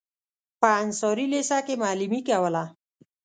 په انصاري لېسه کې معلمي کوله.